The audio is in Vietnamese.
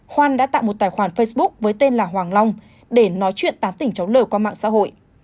khoan đã tạo một tài khoản facebook với tên là hoàng long để nói chuyện tán tỉnh cháu l qua mạng xã hội